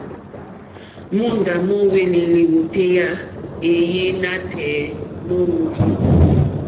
Móǒndá mówélì lìwòtéyá éèyé nǎtɛ̀ɛ̀ nǒ mòrzô.